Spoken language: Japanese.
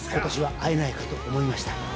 今年は会えないかと思いました